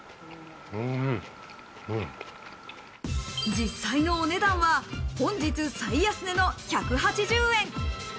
実際のお値段は本日最安値の１８０円。